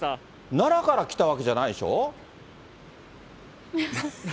奈良から来たわけじゃないでしょ？